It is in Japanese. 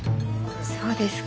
そうですか。